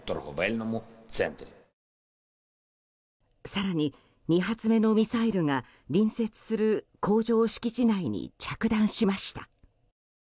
更に、２発目のミサイルが隣接する工場敷地内に着弾しました。